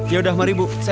yaudah mari kita pulang yuk